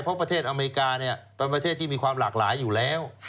เพราะประเทศอเมริกาเป็นประเทศที่มีความหลากหลายอยู่แล้ว